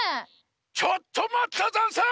ちょっとまったざんす！